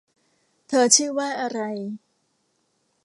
เธอชื่อว่าอะไร